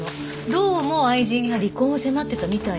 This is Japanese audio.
どうも愛人が離婚を迫ってたみたいで。